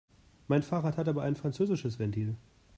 Mein Fahrrad hat aber ein französisches Ventil.